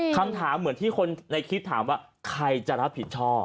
คำถามเหมือนที่คนในคลิปถามว่าใครจะรับผิดชอบ